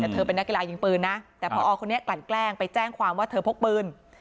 แต่เธอเป็นนักกีฬายิงปืนนะแต่พอคนนี้กลั่นแกล้งไปแจ้งความว่าเธอพกปืน